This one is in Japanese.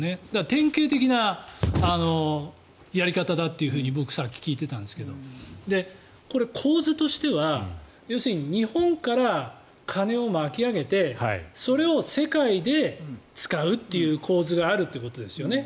典型的なやり方だと僕、さっき聞いてたんですけどこれ、構図としては要するに日本から金を巻き上げてそれを世界で使うという構図があるということですよね。